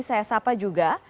saya sapa juga